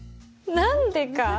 何でか？